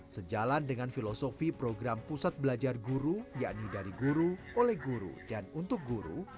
sejalan dengan filosofi program pusat belajar guru yakni dari guru oleh guru